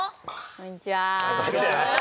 こんにちは。